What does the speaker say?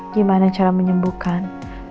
gimana cara menyembuhkan